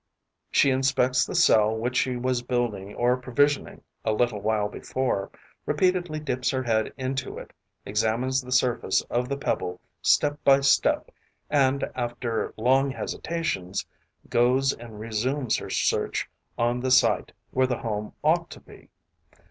She inspects the cell which she was building or provisioning a little while before, repeatedly dips her head into it, examines the surface of the pebble step by step and, after long hesitations, goes and resumes her search on the site where the home ought to be.